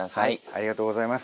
ありがとうございます。